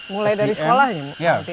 mulai dari sekolah ya